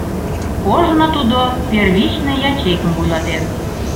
Ожно тудо первичный ячейкым вуйлатен.